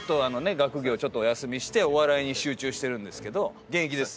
学業ちょっとお休みしてお笑いに集中してるんですけど現役です。